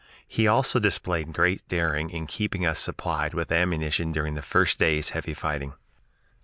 He also displayed great daring in keeping us supplied with ammunition during the first day's heavy fighting.